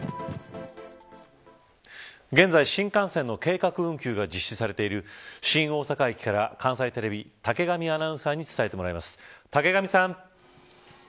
現在、新幹線の計画運休が実施されている新大阪駅から関西テレビ、竹上アナウンサーに伝えてもらいます。